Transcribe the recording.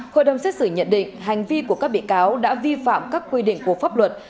hội đồng xét xử nhận định hành vi của các bị cáo đã vi phạm các quy định của pháp luật